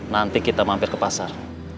nanti kita mampir ke pasar